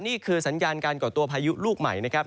นี่คือสัญญาณการก่อตัวพายุลูกใหม่นะครับ